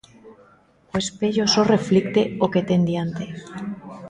O espello só reflicte o que ten diante.